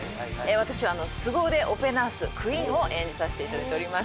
私は凄腕オペナースクイーンを演じさせていただいております